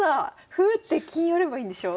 歩打って金寄ればいいんでしょ？